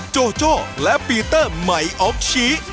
โจโจ้และปีเตอร์ใหม่ออฟชี้